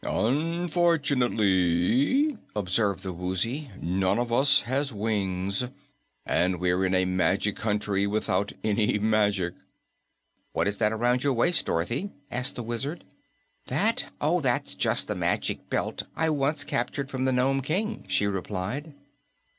"Unfortunately," observed the Woozy, "none of us has wings. And we're in a magic country without any magic." "What is that around your waist, Dorothy?" asked the Wizard. "That? Oh, that's just the Magic Belt I once captured from the Nome King," she replied.